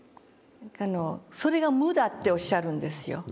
「それが無だ」っておっしゃるんですよ。